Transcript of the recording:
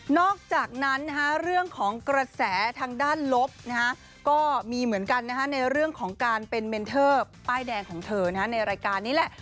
อกจากนั้นเรื่องของกระแสทางด้านลบก็มีเหมือนกันในเรื่องของการเป็นเมนเทอร์ป้ายแดงของเธอในรายการนี้แหละ